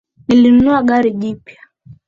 Nilinunua gari jipya